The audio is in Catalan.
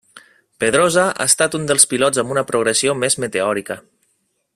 Pedrosa ha estat un dels pilots amb una progressió més meteòrica.